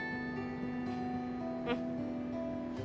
うん。